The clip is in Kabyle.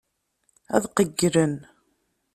Ad qeyylen.